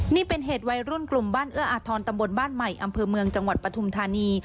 นี่เป็นเหตุวัยรุ่นกลุ่มบ้านเอื้ออาทรตำบลบ้านใหม่อำเภอเมืองจังหวัดปฐุมธานี